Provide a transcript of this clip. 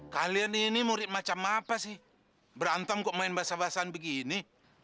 kalian ini murid macam apa sih berantem kok main basah basahan begini